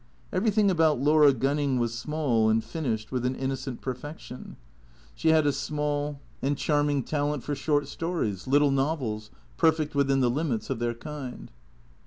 Everything about Laura Gunning was small and finished with an innocent perfection. She had a small and 58 THECREATOES charming talent for short stories, little novels, perfect within the limits of their kind.